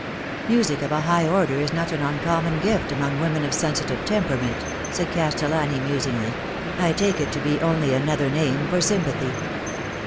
"Music of a high order is not an uncommon gift among women of sensitive temperament," said Castellani musingly* " I take it to be only another name for sympathy.